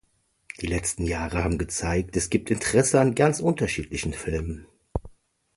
Die letzten Jahre haben gezeigt, es gibt Interesse an ganz unterschiedlichen Filmen.